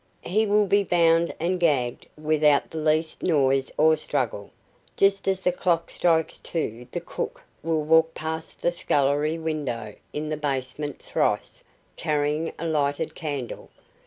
He will be bound and gagged without the least noise or struggle. Just as the clock strikes two the cook will walk past the scullery window, in the basement, thrice, carrying a lighted candle.